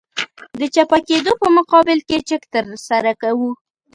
د چپه کېدو په مقابل کې چک ترسره کوو